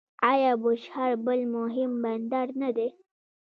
آیا بوشهر بل مهم بندر نه دی؟